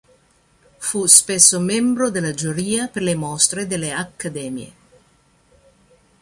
Fu spesso membro della giuria per le mostre delle Accademie.